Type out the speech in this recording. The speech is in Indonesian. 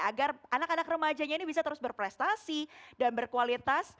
agar anak anak remajanya ini bisa terus berprestasi dan berkualitas